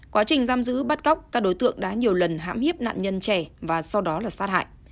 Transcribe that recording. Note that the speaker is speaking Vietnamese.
quá trình giam giữ bắt cóc các đối tượng đã nhiều lần hãm hiếp nạn nhân trẻ và sau đó là sát hại